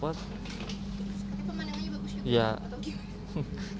pemanahannya bagus juga